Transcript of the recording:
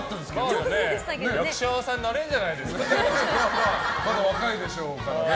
役者さんにまだ若いでしょうからね。